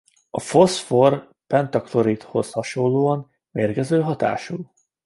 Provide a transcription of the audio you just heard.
A foszfor-pentakloridhoz hasonlóan mérgező hatású.